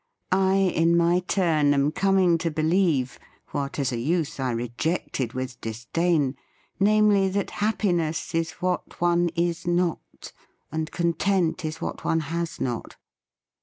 I in my turn am coming to believe — what as a youth I rejected with disdain — namely, that happiness is what one is not, and content is what one has not.